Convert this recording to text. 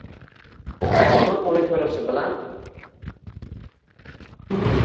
Folbin uni ko`rishi bilan